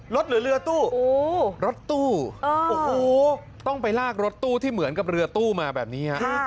หรือเรือตู้รถตู้โอ้โหต้องไปลากรถตู้ที่เหมือนกับเรือตู้มาแบบนี้ฮะ